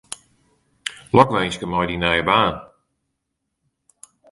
Lokwinske mei dyn nije baan.